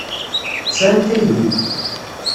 Tesɛamt aydi?